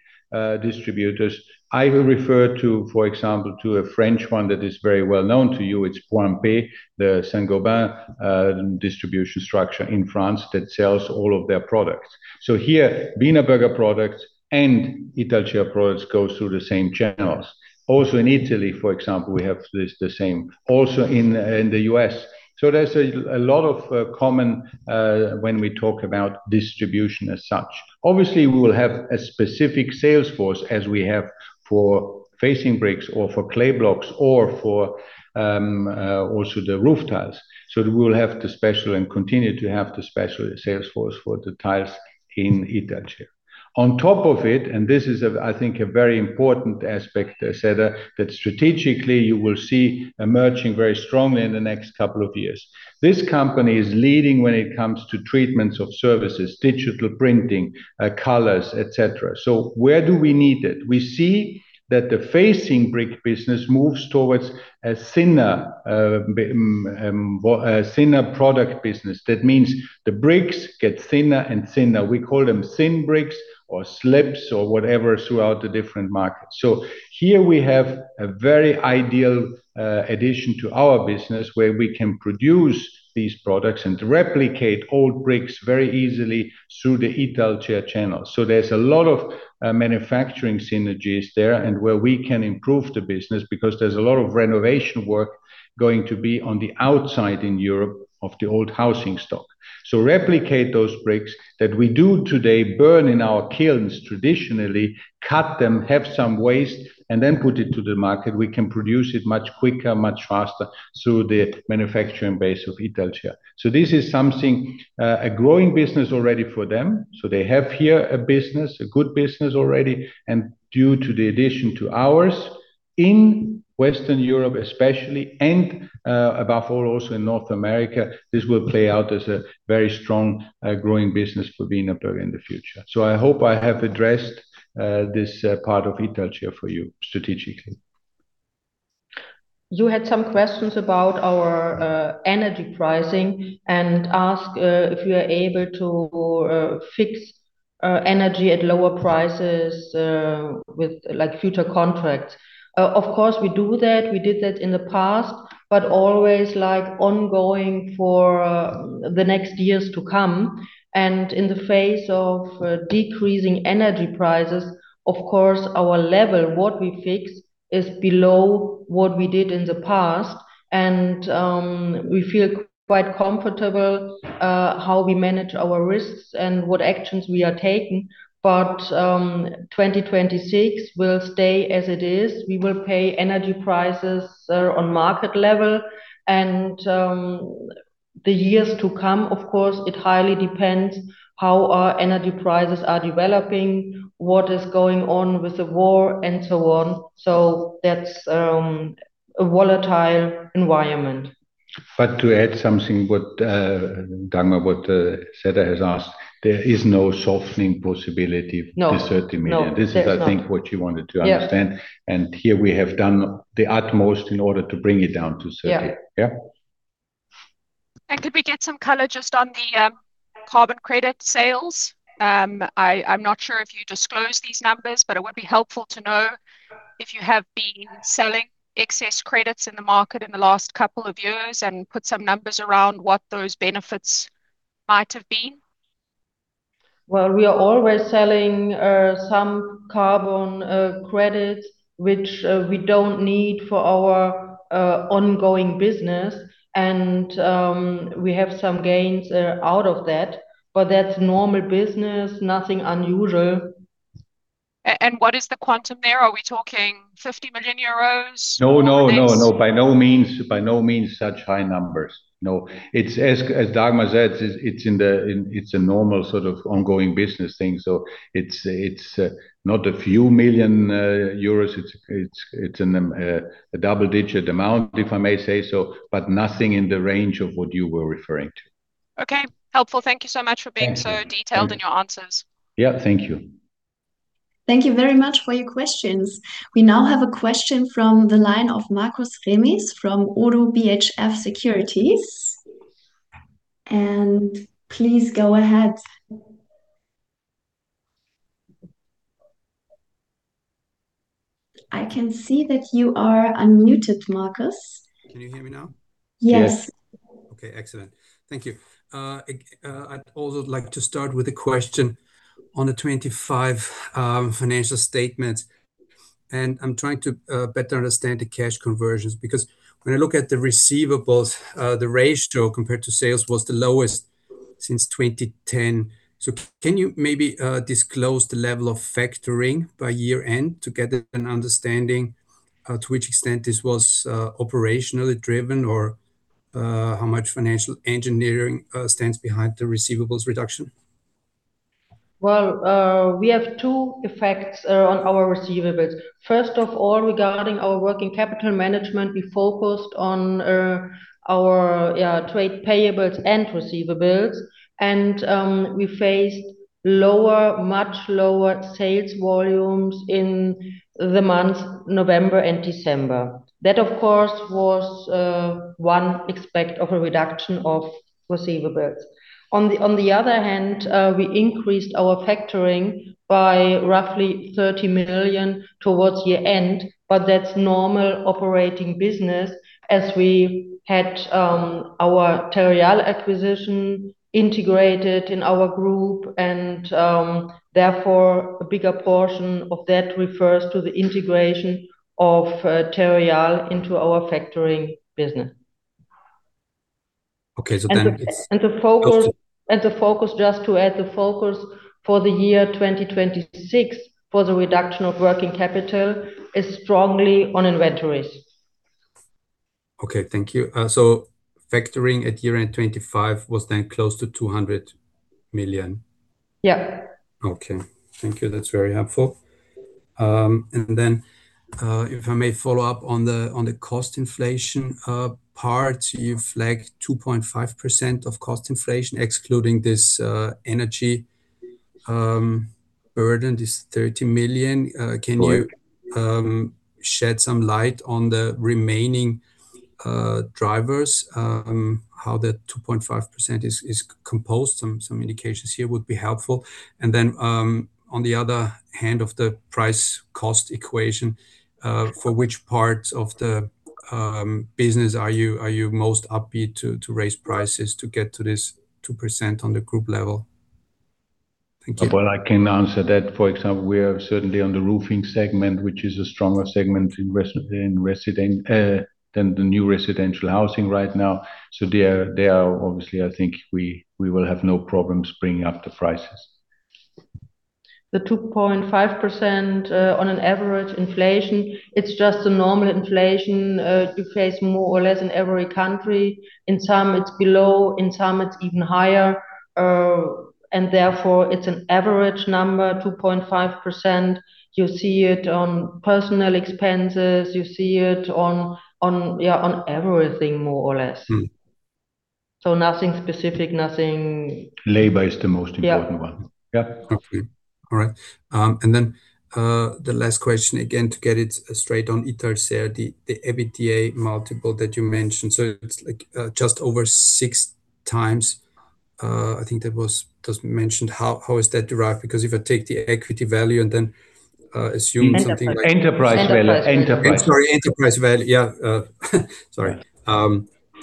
distributors. I will refer to, for example, to a French one that is very well known to you. It's Point P, the Saint-Gobain distribution structure in France that sells all of their products. Here, Wienerberger products and Italcer products goes through the same channels. In Italy, for example, we have this the same. In, in the U.S. There's a, a lot of, common, when we talk about distribution as such. Obviously, we will have a specific sales force, as we have for facing bricks or for clay blocks, or for, also the roof tiles. We will have the special and continue to have the special sales force for the tiles in Italcer. On top of it, and this is a, I think, a very important aspect, I said, that strategically you will see emerging very strongly in the next couple of years. This company is leading when it comes to treatments of services, digital printing, colors, et cetera. Where do we need it? We see that the facing brick business moves towards a thinner product business. That means the bricks get thinner and thinner. We call them thin bricks or slips or whatever throughout the different markets. Here we have a very ideal addition to our business, where we can produce these products and replicate old bricks very easily through the Italcer channel. There's a lot of manufacturing synergies there, and where we can improve the business because there's a lot of renovation work going to be on the outside in Europe of the old housing stock. Replicate those bricks that we do today, burn in our kilns, traditionally, cut them, have some waste, and then put it to the market. We can produce it much quicker, much faster through the manufacturing base of Italcer. This is something, a growing business already for them. They have here a business, a good business already, and due to the addition to ours, in Western Europe especially, and above all, also in North America, this will play out as a very strong, growing business for Wienerberger in the future. I hope I have addressed, this part of Italcer for you strategically. You had some questions about our energy pricing and ask if we are able to fix energy at lower prices with like future contracts. Of course, we do that. We did that in the past, but always like ongoing for the next years to come. In the face of decreasing energy prices, of course, our level, what we fix, is below what we did in the past. We feel quite comfortable how we manage our risks and what actions we are taking. 2026 will stay as it is. We will pay energy prices on market level and the years to come, of course, it highly depends how our energy prices are developing, what is going on with the war, and so on. That's a volatile environment. To add something what, Dagmar, what, Cedar has asked, there is no softening possibility... No... to 30 million. No, there's not. This is, I think, what you wanted to understand. Yeah. Here we have done the utmost in order to bring it down to 30. Yeah. Yeah. Could we get some color just on the carbon credit sales? I'm not sure if you disclosed these numbers, but it would be helpful to know if you have been selling excess credits in the market in the last couple of years, and put some numbers around what those benefits might have been. Well, we are always selling some carbon credits, which we don't need for our ongoing business, and we have some gains out of that. That's normal business, nothing unusual. What is the quantum there? Are we talking 50 million euros? No, no, no, no. Or less? By no means such high numbers. No. It's as Dagmar said, it's a normal sort of ongoing business thing. It's not a few million EUR. It's a double-digit amount, if I may say so, but nothing in the range of what you were referring to. Okay. Helpful. Thank you so much for being- Thank you.... so detailed in your answers. Yeah, thank you. Thank you very much for your questions. We now have a question from the line of Markus Remis from ODDO BHF Securities. Please go ahead. I can see that you are unmuted, Markus. Can you hear me now? Yes. Yes. Okay, excellent. Thank you. I'd also like to start with a question on the 2025 financial statements, and I'm trying to better understand the cash conversions, because when I look at the receivables, the ratio compared to sales was the lowest since 2010. Can you maybe disclose the level of factoring by year-end to get an understanding as to which extent this was operationally driven, or how much financial engineering stands behind the receivables reduction? Well, we have two effects on our receivables. First of all, regarding our working capital management, we focused on our, yeah, trade payables and receivables, and we faced lower, much lower sales volumes in the months November and December. That, of course, was one expect of a reduction of receivables. On the other hand, we increased our factoring by roughly 30 million towards year-end, that's normal operating business, as we had our Terreal acquisition integrated in our group, and therefore, a bigger portion of that refers to the integration of Terreal into our factoring business. Okay. The focus, just to add the focus for the year 2026 for the reduction of working capital is strongly on inventories. Okay. Thank you. Factoring at year-end 2025 was then close to 200 million? Yeah. Okay. Thank you. That's very helpful. Then, if I may follow up on the cost inflation part, you've flagged 2.5% of cost inflation, excluding this energy burden, this 30 million. Right. Can you shed some light on the remaining drivers, how that 2.5% is composed? Some indications here would be helpful. Then, on the other hand of the price-cost equation, for which parts of the business are you most upbeat to raise prices to get to this 2% on the group level? Thank you. Well, I can answer that. For example, we are certainly on the roofing segment, which is a stronger segment in resident than the new residential housing right now. There are obviously, I think we will have no problems bringing up the prices. The 2.5% on an average inflation, it's just a normal inflation, you face more or less in every country. In some, it's below, in some, it's even higher. Therefore, it's an average number, 2.5%. You see it on personal expenses, you see it on, on, yeah, on everything, more or less. Mm. Nothing specific. Labor is the most important. Yeah Yeah. Okay. All right. The last question, again, to get it straight on Terreal, the EBITDA multiple that you mentioned. It's like just over 6x, I think that was just mentioned. How is that derived? If I take the equity value and then assume something-. Enterprise. Enterprise value. Enterprise. Sorry, enterprise value. Yeah. Sorry.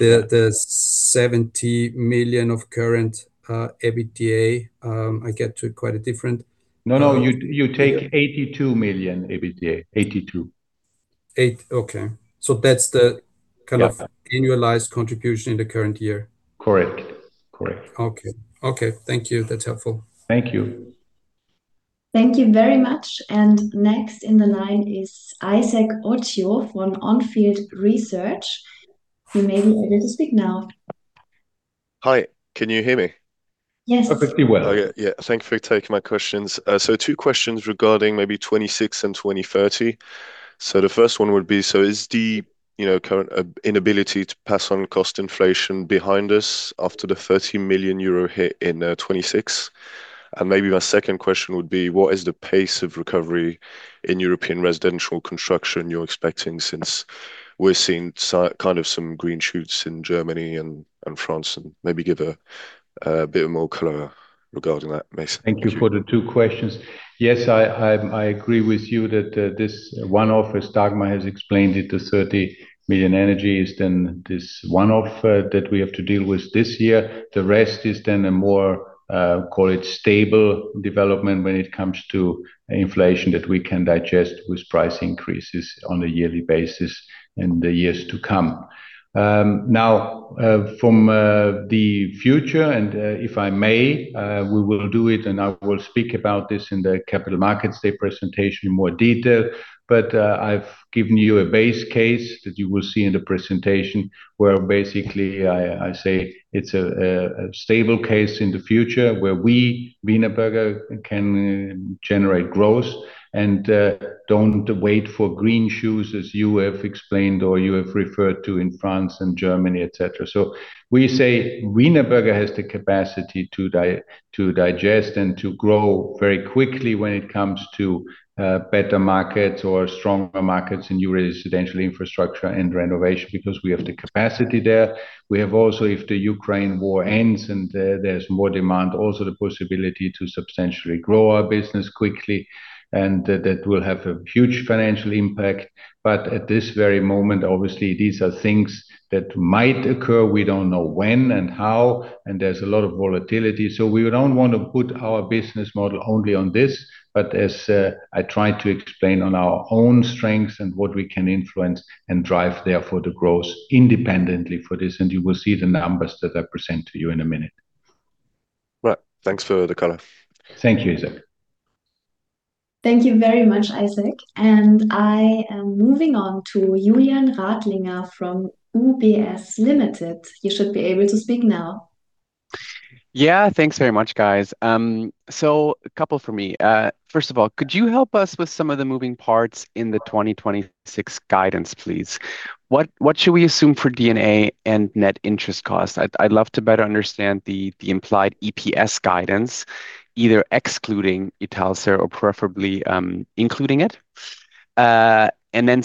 The 70 million of current EBITDA, I get to quite a different-. No, no, you, you take 82 million EBITDA. 82. Eight... Okay. Yeah kind of annualized contribution in the current year? Correct. Correct. Okay. Okay, thank you. That's helpful. Thank you. Thank you very much, and next in the line is Yassine Touahri from On Field Investment Research. You may begin to speak now. Hi, can you hear me? Yes. Perfectly well. Oh, yeah. Yeah, thank you for taking my questions. Two questions regarding maybe 2026 and 2030. The first one would be, is the, you know, current inability to pass on cost inflation behind us after the 30 million euro hit in 2026? Maybe my second question would be: what is the pace of recovery in European residential construction you're expecting, since we're seeing kind of some green shoots in Germany and France, and maybe give a bit more color regarding that, please? Thank you for the two questions. Yes, I agree with you that, this one-off, as Dagmar has explained it, the 30 million energy is then this one-off that we have to deal with this year. The rest is then a more, call it, stable development when it comes to inflation that we can digest with price increases on a yearly basis in the years to come. Now, from the future, if I may, we will do it, and I will speak about this in the Capital Markets Day presentation in more detail. I've given you a base case that you will see in the presentation, where basically, I say it's a stable case in the future, where we, Wienerberger, can generate growth and don't wait for green shoots, as you have explained or you have referred to in France and Germany, et cetera. We say Wienerberger has the capacity to digest and to grow very quickly when it comes to better markets or stronger markets in new residential infrastructure and renovation, because we have the capacity there. We have also, if the Ukraine war ends and there's more demand, also the possibility to substantially grow our business quickly, and that will have a huge financial impact. At this very moment, obviously, these are things that might occur. We don't know when and how, and there's a lot of volatility, so we don't want to put our business model only on this. As I tried to explain on our own strengths and what we can influence and drive therefore, the growth independently for this, and you will see the numbers that I present to you in a minute. Right. Thanks for the color. Thank you, Isaac. Thank you very much, Isaac. I am moving on to Julian Radlinger from UBS Limited. You should be able to speak now. Yeah, thanks very much, guys. A couple for me. First of all, could you help us with some of the moving parts in the 2026 guidance, please? What should we assume for D&A and net interest costs? I'd love to better understand the implied EPS guidance, either excluding Italser or preferably, including it.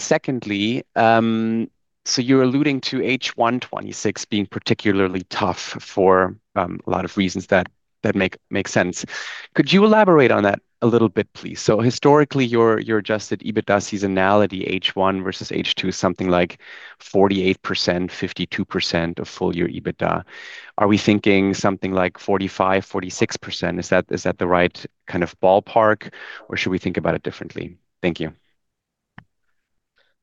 Secondly, so you're alluding to H1 2026 being particularly tough for a lot of reasons that make sense. Could you elaborate on that a little bit, please? Historically, your Adjusted EBITDA seasonality, H1 versus H2, is something like 48%, 52% of full year EBITDA. Are we thinking something like 45%, 46%? Is that the right kind of ballpark, or should we think about it differently? Thank you.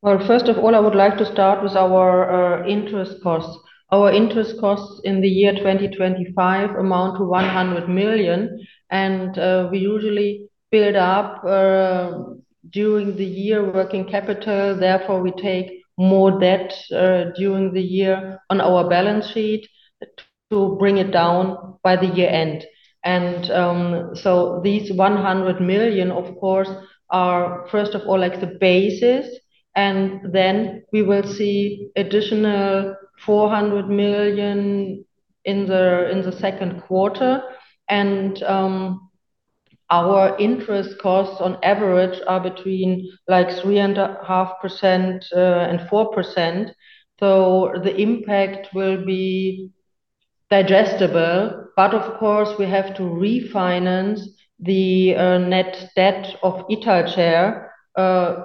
Well, first of all, I would like to start with our interest costs. Our interest costs in the year 2025 amount to 100 million, we usually build up during the year working capital. We take more debt during the year on our balance sheet to bring it down by the year-end. These 100 million, of course, are first of all, like the basis, then we will see additional 400 million in the second quarter. Our interest costs on average are between like 3.5% and 4%. The impact will be digestible, but of course, we have to refinance the net debt of Italcer.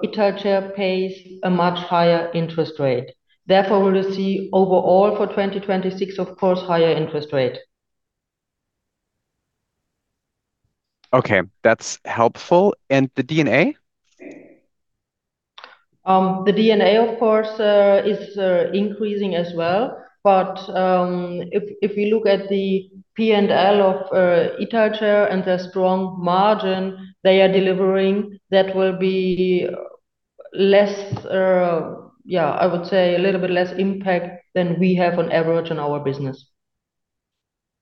Italcer pays a much higher interest rate. We will see overall for 2026, of course, higher interest rate. Okay, that's helpful. The D&A? The D&A, of course, is increasing as well, but if, if you look at the P&L of Italcer and the strong margin they are delivering, that will be less. Yeah, I would say a little bit less impact than we have on average on our business.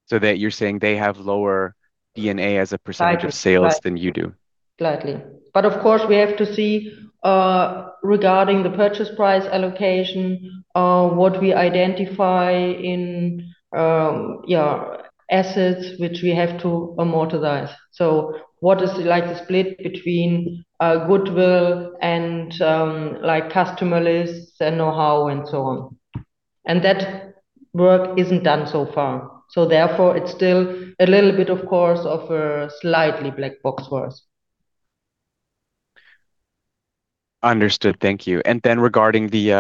That you're saying they have lower D&A as a percentage? Right of sales than you do? Slightly. Of course, we have to see, regarding the purchase price allocation, what we identify in, yeah, assets which we have to amortize. What is like the split between goodwill and like customer lists and know-how and so on? That work isn't done so far. Therefore, it's still a little bit, of course, of a slightly black box for us. Understood. Thank you. Regarding the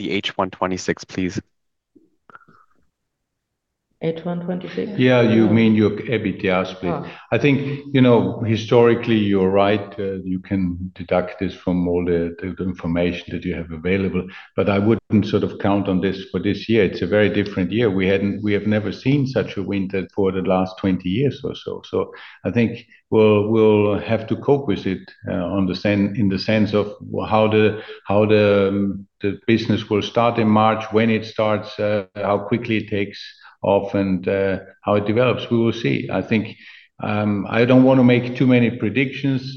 H-126, please. H-126? Yeah, you mean your EBITDA split. Oh. I think, you know, historically, you're right. You can deduct this from all the, the, the information that you have available, but I wouldn't sort of count on this for this year. It's a very different year. We have never seen such a winter for the last 20 years or so, so I think we'll, we'll have to cope with it in the sense of how the business will start in March, when it starts, how quickly it takes off and how it develops. We will see. I think I don't want to make too many predictions.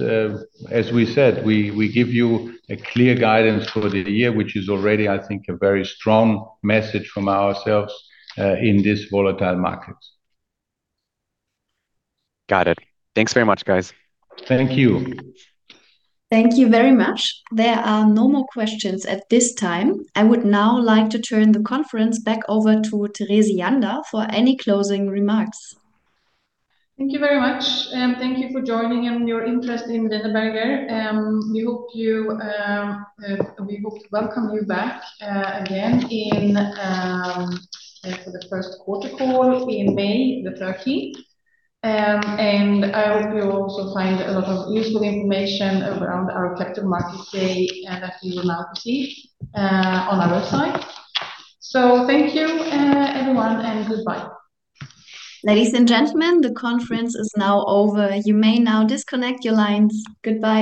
As we said, we, we give you a clear guidance for the year, which is already, I think, a very strong message from ourselves in this volatile market. Got it. Thanks very much, guys. Thank you. Thank you very much. There are no more questions at this time. I would now like to turn the conference back over to Therese Therese Jandér for any closing remarks. Thank you very much, thank you for joining and your interest in Wienerberger. We hope you, we hope to welcome you back again in for the first quarter call in May the 30. And I hope you'll also find a lot of useful information around our Capital Markets Day that you will now receive on our website. Thank you everyone, and goodbye. Ladies and gentlemen, the conference is now over. You may now disconnect your lines. Goodbye.